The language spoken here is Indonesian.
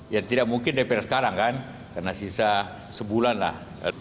ya tidak mungkin dpr sekarang kan karena sisa sebulan lah